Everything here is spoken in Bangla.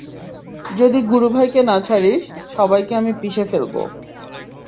যদি গুরু ভাইকে না ছাড়িস, সবাইকে আমি পিষে ফেলবো।